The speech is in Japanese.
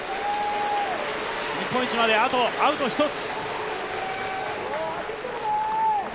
日本一まであとアウト１つ。